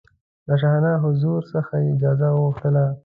له شاهانه حضور څخه یې اجازه وغوښتله.